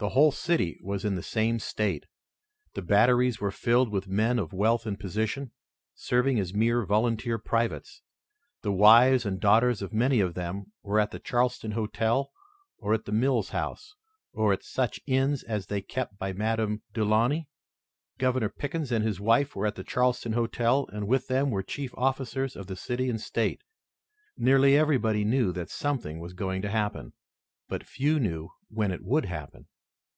The whole city was in the same state. The batteries were filled with men of wealth and position, serving as mere volunteer privates. The wives and daughters of many of them were at the Charleston Hotel or the Mills House, or at such inns as that kept by Madame Delaunay. Governor Pickens and his wife were at the Charleston Hotel, and with them were chief officers of the city and state. Nearly everybody knew that something was going to happen, but few knew when it would happen.